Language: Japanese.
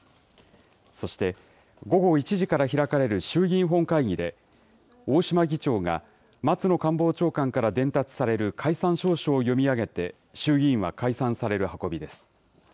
そして午後１時から開かれる衆議院本会議で、大島議長が松野官房長官から伝達される解散詔書を読み上げて、衆議院は解散される運びです。